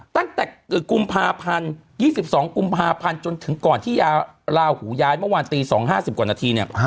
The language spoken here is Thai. ตั้งแต่กุมภาพันธ์๒๒กุมภาพันธ์จนถึงก่อนที่ยาลาหูย้ายเมื่อวานตี๒๕๐กว่านาทีเนี่ย